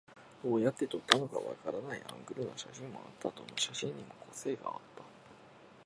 どうやって撮ったのかわからないアングルの写真もあった。どの写真にも個性があった。